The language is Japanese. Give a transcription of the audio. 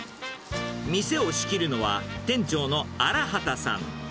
店を仕切るのは、店長の荒畑さん。